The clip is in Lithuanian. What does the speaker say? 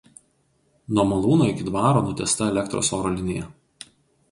Nuo malūno iki dvaro nutiesta elektros oro linija.